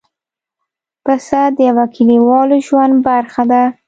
پسه د یوه کلیوالو ژوند برخه ده.